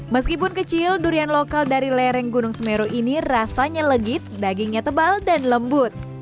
meskipun kecil durian lokal dari lereng gunung semeru ini rasanya legit dagingnya tebal dan lembut